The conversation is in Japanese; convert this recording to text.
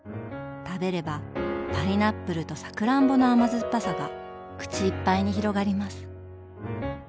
食べればパイナップルとさくらんぼの甘酸っぱさが口いっぱいに広がります。